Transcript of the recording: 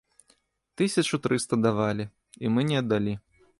Тысячу трыста давалі, і мы не аддалі.